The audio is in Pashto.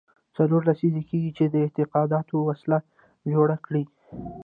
څلور لسیزې کېږي چې دې اعتقاداتو وسله جوړه کړې.